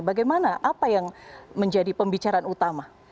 bagaimana apa yang menjadi pembicaraan utama